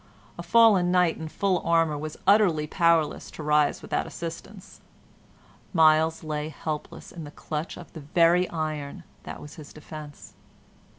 A fallen knight in full armor was utterly powerless to rise without assistance; Myles lay helpless in the clutch of the very iron that was his defence.